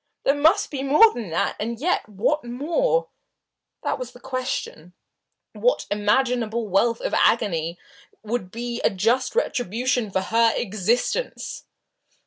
There must be more than that. And yet, what more? That was the question. What imaginable wealth of agony would be a just retribution for her existence?